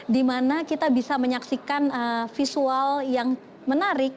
di mana kita bisa menyaksikan visual yang menarik